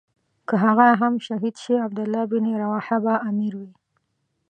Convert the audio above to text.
که هغه هم شهید شي عبدالله بن رواحه به امیر وي.